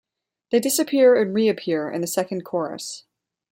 They disappear and reappear in the second chorus.